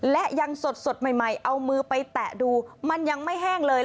และยังสดใหม่เอามือไปแตะดูมันยังไม่แห้งเลย